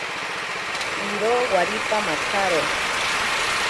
Iro waripa matsaro.